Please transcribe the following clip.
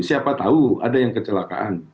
siapa tahu ada yang kecelakaan